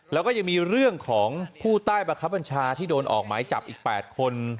แล้วก็ยังมีเรื่องของผู้ใต้บังคับบัญชาที่โดนออกหมายจับอีก๘คน